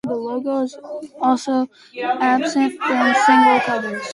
The logo is also absent from the single covers.